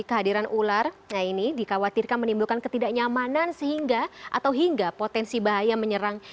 kehadiran ular dikhawatirkan menimbulkan ketidaknyamanan sehingga potensi bahaya menyerang